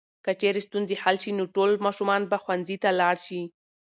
که چېرې ستونزې حل شي نو ټول ماشومان به ښوونځي ته لاړ شي.